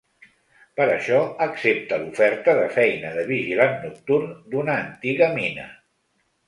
Per això, accepta l’oferta de feina de vigilant nocturn d’una antiga mina.